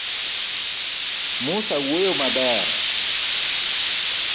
Musa woyo maber .